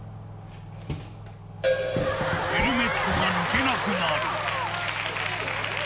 ヘルメットが抜けなくなる。